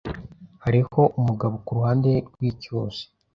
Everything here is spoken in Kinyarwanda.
Hariho umugabo kuruhande rwicyuzi.